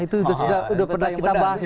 itu sudah pernah kita bahas